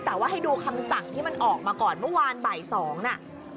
แต่ว่าให้ดูคำสั่งที่มันออกมาก่อนเมื่อวานบ่าย๒น่ะ